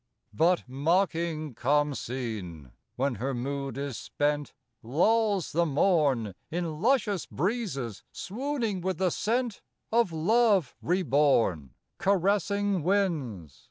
But mocking Khamsin, when her mood is spent, Lulls the morn In luscious breezes swooning with the scent Of love reborn;— Carressing winds!